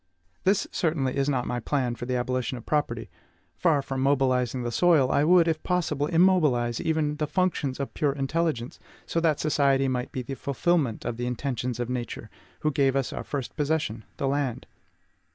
This certainly is not my plan for the abolition of property. Far from mobilizing the soil, I would, if possible, immobilize even the functions of pure intelligence, so that society might be the fulfilment of the intentions of Nature, who gave us our first possession, the land.